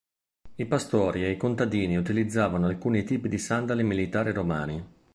I pastori e i contadini utilizzavano alcuni tipi di sandali militari romani.